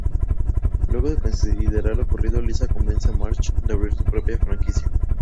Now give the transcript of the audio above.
Luego de considerar lo ocurrido, Lisa convence a Marge de abrir su propia franquicia.